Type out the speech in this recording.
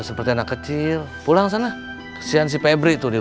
seseorang agar sahabatud